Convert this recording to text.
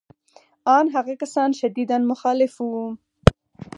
ان هغه کسان شدیداً مخالف وو